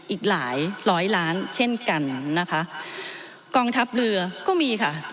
อีกหลายร้อยล้านเช่นกันนะคะกองทัพเรือก็มีค่ะ